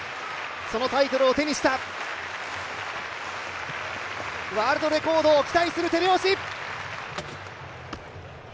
そのタイトルを手にしたワールドレコードを期待する手拍子。